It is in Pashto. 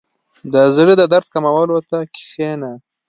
• د زړۀ د درد کمولو ته کښېنه.